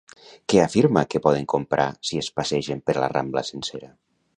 Què afirma que poden comprar si es passegen per la Rambla sencera?